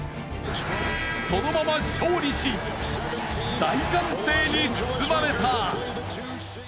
そのまま勝利し大歓声に包まれた。